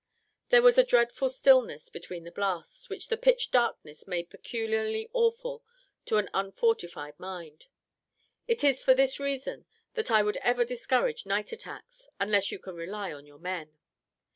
There was a dreadful stillness between the blasts, which the pitch darkness made peculiarly awful to an unfortified mind. It is for this reason that I would ever discourage night attacks, unless you can rely on your men.